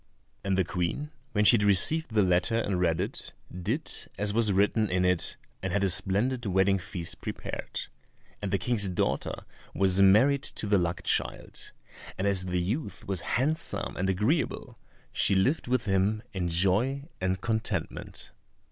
And the Queen, when she had received the letter and read it, did as was written in it, and had a splendid wedding feast prepared, and the King's daughter was married to the luck child, and as the youth was handsome and agreeable she lived with him in joy and contentment.